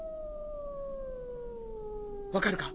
分かるか？